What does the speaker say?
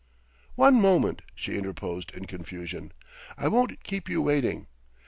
] "One moment," she interposed in confusion; "I won't keep you waiting...